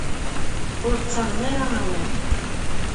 Ur ttaɣen ara awal.